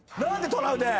トラウデン。